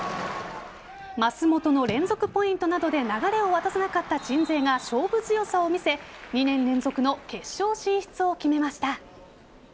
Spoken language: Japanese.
舛本の連続ポイントなどで流れを渡さなかった鎮西が勝負強さを見せ２年連続の決勝進出を決めました。